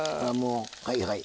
はいはい。